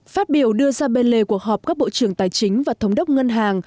phát biểu đưa ra bên lề cuộc họp các bộ trưởng tài chính và thống đốc ngân hàng